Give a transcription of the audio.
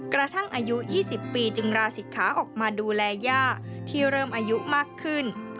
กระทั่งอายุ๒๐ปีจึงราศิกขาออกมาดูแลย่าที่เริ่มอายุมากขึ้น